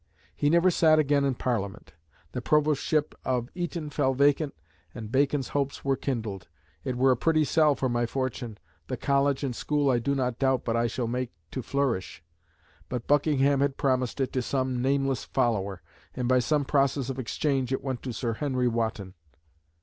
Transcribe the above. He never sat again in Parliament. The Provostship of Eton fell vacant, and Bacon's hopes were kindled. "It were a pretty cell for my fortune. The College and School I do not doubt but I shall make to flourish." But Buckingham had promised it to some nameless follower, and by some process of exchange it went to Sir Henry Wotton.